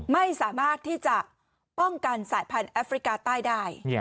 ไม่สามารถที่จะป้องกันสายพันธุ์แอฟริกาใต้ได้